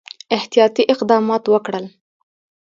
احتیاطي اقدمات وکړل.